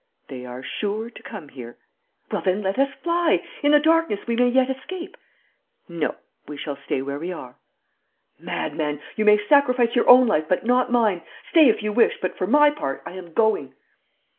'They are sure to come here.' 'Well, then, let us fly. In the darkness we may yet escape.' 'No; we shall stay where we are.' 'Madman, you may sacrifice your own life, but not mine. Stay if you wish, but for my part I am going.'